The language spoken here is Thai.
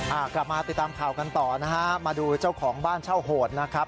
อ่ากลับมาติดตามข่าวกันต่อนะฮะมาดูเจ้าของบ้านเช่าโหดนะครับ